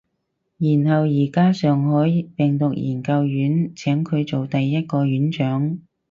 然後而家上海病毒研究院請佢做第一個院長